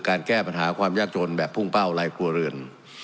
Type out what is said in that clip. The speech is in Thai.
การแก้ปัญหาความยากโจรแบบพุ่งเป้าไร้กลัวเรือน